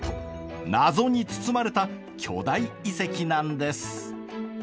謎に包まれた巨大遺跡なんです。